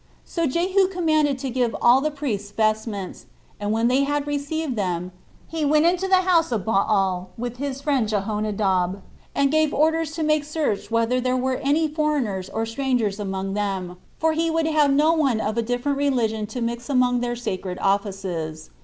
So Jehu commanded to give all the priests vestments; and when they had received them, he went into the house [of Baal], with his friend Jehonadab, and gave orders to make search whether there were not any foreigner or stranger among them, for he would have no one of a different religion to mix among their sacred offices.